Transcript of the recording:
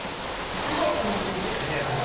はいおまんじゅう。